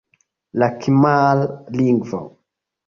La kimra lingvo.